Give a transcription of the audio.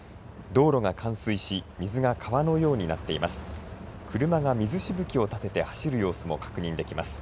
道路が冠水し水が川のようになっています。